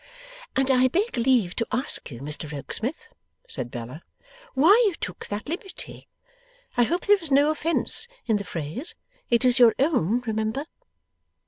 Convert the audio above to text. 'And I beg leave to ask you, Mr Rokesmith,' said Bella, 'why you took that liberty? I hope there is no offence in the phrase; it is your own, remember.